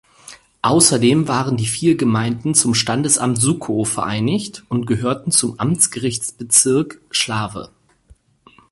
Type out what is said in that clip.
Außerdem waren die vier Gemeinden zum Standesamt Suckow vereinigt und gehörten zum Amtsgerichtsbezirk Schlawe.